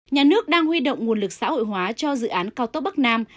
nhà nước đang huy động nguồn lực xã hội hóa cho dự án cao tốc bắc nam